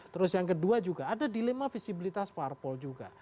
terus yang kedua juga ada dilema visibilitas parpol juga